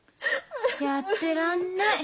やってらんない。